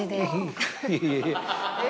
いえいえ。